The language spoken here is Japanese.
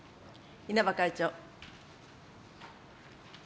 稲葉会長。